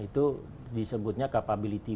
itu disebutnya capability